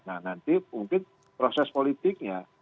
nah nanti mungkin proses politiknya